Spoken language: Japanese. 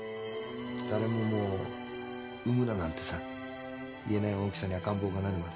「誰ももう産むななんてさ言えない大きさに赤ん坊がなるまで」